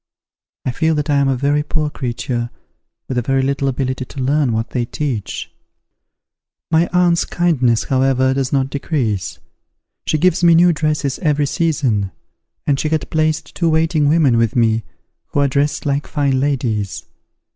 I feel that I am a very poor creature, with very little ability to learn what they teach. My aunt's kindness, however, does not decrease. She gives me new dresses every season; and she had placed two waiting women with me, who are dressed like fine ladies.